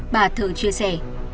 bà thờ chia sẻ